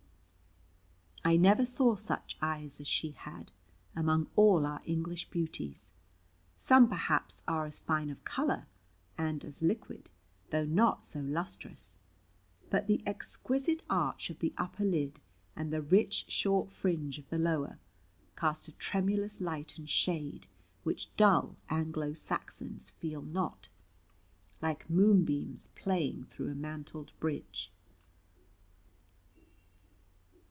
I never saw such eyes as she had, among all our English beauties. Some perhaps are as fine of colour, and as liquid, though not so lustrous: but the exquisite arch of the upper lid, and the rich short fringe of the lower, cast a tremulous light and shade, which dull Anglo Saxons feel not. Like moonbeams playing through a mantled bridge.